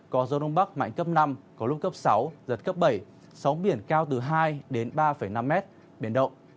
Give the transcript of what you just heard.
có gió đông bắc mạnh cấp năm có lúc cấp sáu giật cấp bảy sóng biển cao từ hai đến ba năm mét biển động